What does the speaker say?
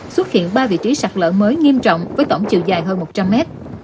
xuất hiện ba vị trí sạt lở mới nghiêm trọng với tổng chiều dài hơn một trăm linh mét